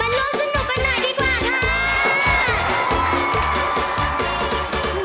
ร่วมสนุกกันหน่อยดีกว่าค่ะ